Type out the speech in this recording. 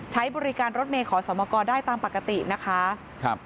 ใช้บริการรถเมย์ขอสมกรได้ตามปกตินะคะครับ